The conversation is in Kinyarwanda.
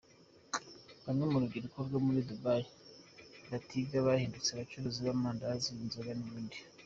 Bamwe mu rubyiruko rwo muri "Dubai"batiga, bahindutse abacuruzi b’amandazi, inzoga n’ibindi.